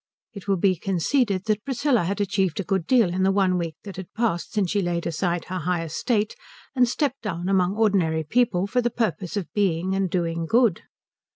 It will be conceded that Priscilla had achieved a good deal in the one week that had passed since she laid aside her high estate and stepped down among ordinary people for the purpose of being and doing good.